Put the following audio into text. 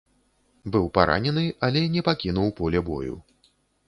Быў паранены, але не пакінуў поле бою.